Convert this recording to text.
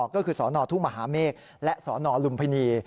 ก็คือสนทุ่งมหาเมฆและสนลุมพินี